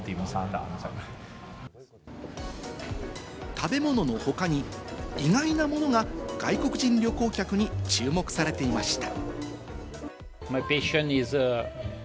食べ物の他に、意外なものが外国人旅行客に注目されていました。